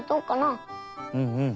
うんうん！